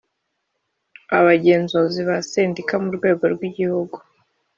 abagenzuzi ba sendika mu rwego rw’igihugu